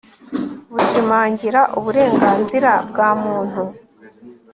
bushimangira uburenganzira bwa muntu